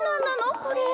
これ。